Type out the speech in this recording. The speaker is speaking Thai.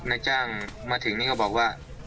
นายจ้างมาถึงนี่ก็บอกว่า